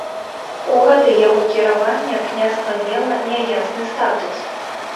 У гады яго кіравання княства мела няясны статус.